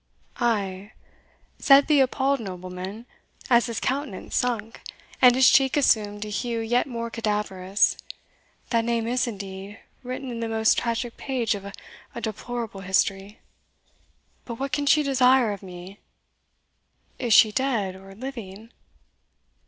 "Ay," said the appalled nobleman, as his countenance sunk, and his cheek assumed a hue yet more cadaverous; "that name is indeed written in the most tragic page of a deplorable history. But what can she desire of me? Is she dead or living?"